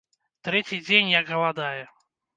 Трэці дзень, як галадае.